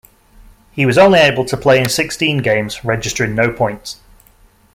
He was only able to play in sixteen games, registering no points.